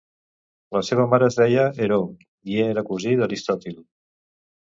La seva mare es deia Heró i era cosí d'Aristòtil.